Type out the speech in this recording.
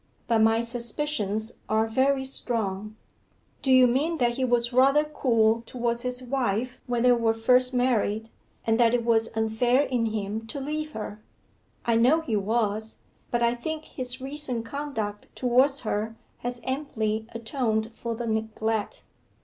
But my suspicions are very strong.' 'Do you mean that he was rather cool towards his wife when they were first married, and that it was unfair in him to leave her? I know he was; but I think his recent conduct towards her has amply atoned for the neglect.